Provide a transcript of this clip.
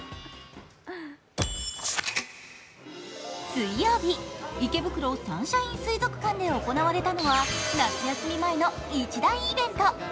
水曜日、池袋・サンシャイン水族館で行われたのは夏休み前の一大イベント。